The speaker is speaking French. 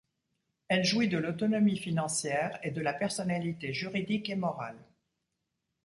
Elle jouit de l’autonomie financière et de la personnalité juridique et morale.